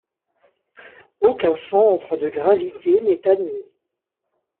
Aucun centre de gravité n’est admis.